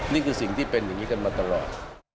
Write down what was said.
นี่คือสิ่งที่เป็นอย่างนี้กันมาตลอด